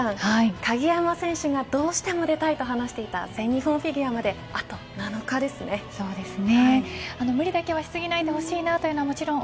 鍵山選手がどうしても出たいと話していた全日本フィギュアまであと７日ですね。